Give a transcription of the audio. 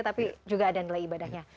tapi juga ada nilai ibadahnya